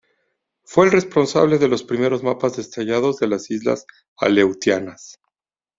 Fue el responsable de los primeros mapas detallados de las islas Aleutianas.